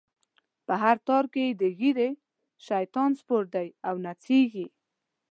په هر تار کی یی د ږیری، شیطان سپور دی او نڅیږی